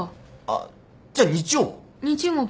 あっじゃあ日曜は？